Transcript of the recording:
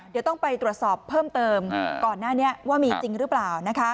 เดี๋ยวต้องไปตรวจสอบเพิ่มเติมก่อนหน้านี้ว่ามีจริงหรือเปล่า